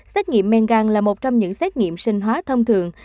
xét nghiệm men gan là một trong những xét nghiệm sinh hóa thông thường